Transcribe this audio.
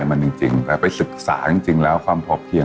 ส่วนความเพียงเราก็ถูกพูดอยู่ตลอดเวลาในเรื่องของความพอเพียง